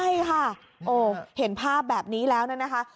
ใช่ค่ะโอ้เห็นภาพแบบนี้แล้วนะคะ